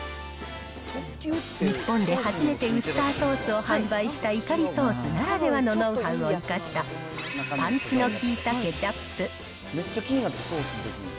日本で初めてウスターソースを販売したイカリソースならではのノウハウを生かした、パンチの効いたケチャップ。